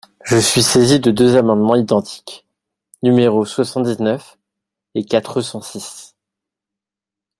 Je suis saisi de deux amendements identiques, numéros soixante-dix-neuf et quatre cent six.